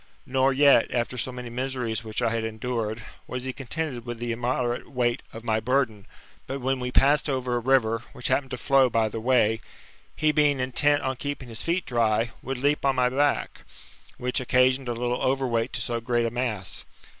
Nor yet, after so many miseries which I had endured, was he contented with the immoderate weight of my burden ; but when We passed over a river, which happened to flow by the way, he being intent on keeping his feet dry, would leap on my back, which occasioned a little over weight to so great a mass.